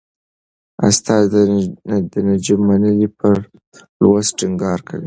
استاد نجيب منلی پر لوست ټینګار کوي.